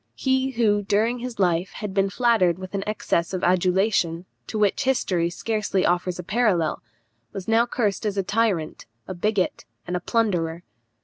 He who, during his life, had been flattered with an excess of adulation, to which history scarcely offers a parallel, was now cursed as a tyrant, a bigot, and a plunderer.